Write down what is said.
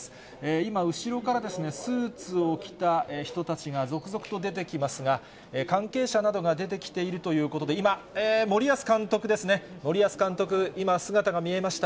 今、後ろからスーツを着た人たちが続々と出てきますが、関係者などが出てきているということで、今、森保監督ですね、森保監督、今姿が見えました。